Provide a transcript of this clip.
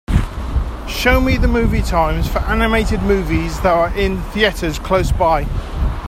Show me the movie times for animated movies that are in theaters close by